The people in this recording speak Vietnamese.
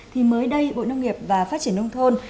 thì mới đây bộ nông nghiệp và phát triển nông thôn